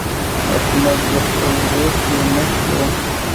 احمده! د خبل غوښې مه شکوه.